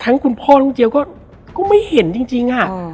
ทั้งคุณพ่อคุณเดียวก็ไม่เห็นจริงอ่ะ